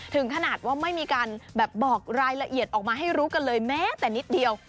ถึงขนาดว่าไม่มีการแบบบอกรายละเอียดออกมาให้รู้กันเลยแม้แต่นิดเดียว